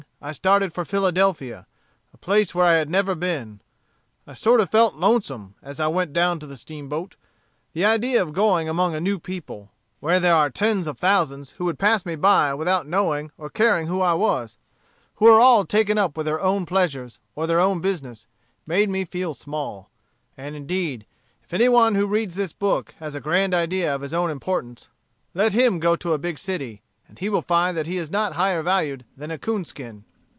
I started for Philadelphia, a place where I had never been. I sort of felt lonesome as I went down to the steamboat. The idea of going among a new people, where there are tens of thousands who would pass me by without knowing or caring who I was, who are all taken up with their own pleasures or their own business, made me feel small; and, indeed, if any one who reads this book has a grand idea of his own importance, let him go to a big city, and he will find that he is not higher valued than a coonskin.